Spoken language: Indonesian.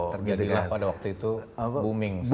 terjadilah pada waktu itu booming saham crypto